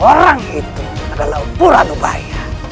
orang itu adalah pura mura bahaya